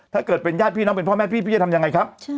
ถ้าเกิดเป็นญาติพี่น้องเป็นพ่อแม่พี่พี่จะทำยังไงครับ